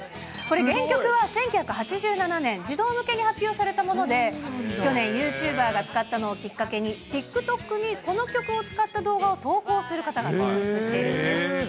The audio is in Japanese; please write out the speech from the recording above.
これ、原曲は１９８７年、児童向けに発表されたもので、去年、ユーチューバーが使ったのをきっかけに、ＴｉｋＴｏｋに、この曲を使った動画を投稿する方が続出しているんです。